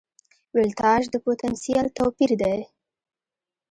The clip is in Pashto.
ولتاژ د پوتنسیال توپیر دی.